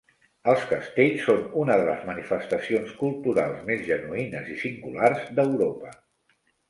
Els castells són una de les manifestacions culturals més genuïnes i singulars d'Europa